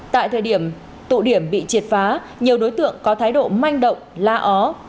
tại thời điểm tụ điểm bị triệt phá nhiều đối tượng có thái độ manh động la ó